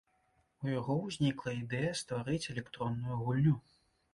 У яго ўзнікла ідэя стварыць электронную гульню.